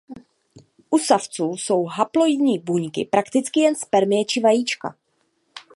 U savců jsou haploidní buňky prakticky jen spermie či vajíčka.